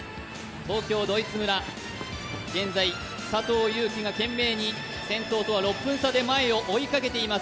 東京ドイツ村、現在、佐藤悠基が懸命に先頭とは６分差で前を追いかけています。